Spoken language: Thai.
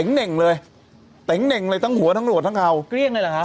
เต๋งเหน่งเลยเต๋งเหน่งเลยทั้งหัวทั้งหนวดทั้งเขาเกลี้ยงเลยหรอครับ